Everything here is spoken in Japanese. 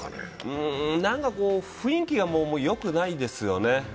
なんか雰囲気がよくないですよね。